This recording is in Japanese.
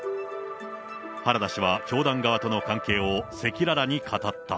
原田氏は教団側との関係を赤裸々に語った。